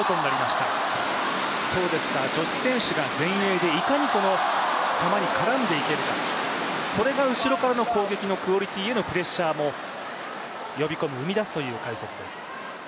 女子選手が前衛でいかに球にからんでいけるかそれが後ろからの攻撃のクオリティーへのプレッシャーも呼び込む、生み出すという解説です。